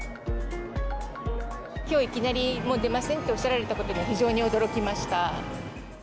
きょういきなり、もう出ませんっておっしゃられたことに、非常に驚きました。